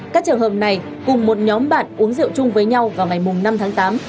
các trường hợp này cùng một nhóm bạn uống rượu chung với nhau vào ngày năm tháng tám